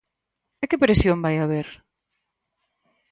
E que presión vai haber?